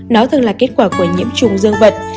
nó thường là kết quả của nhiễm chủng dương vật